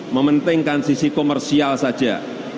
mementingkan sisi komersial saja